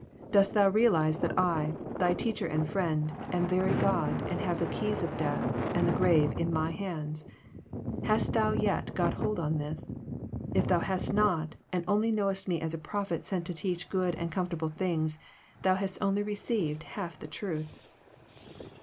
Dost thou realize that I, thy Teacher and Friend, am very God, and have the keys of death and the grave in my hands? Hast thou yet got hold of this? If thou hast not, and only knowest me as a prophet sent to teach good and comfortable things, thou hast only received half the truth."